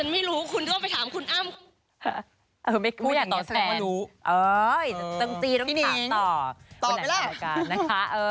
ไม่คุยอย่างแกแนวว่ารู้พี่นิ้งตอบไปแหละ